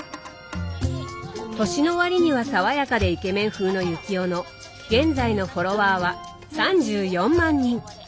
年の割には爽やかでイケメン風の幸男の現在のフォロワーは３４万人。